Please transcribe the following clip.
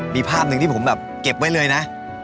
มีภาพหนึ่งที่ผมแบบเก็บไว้เลยนะ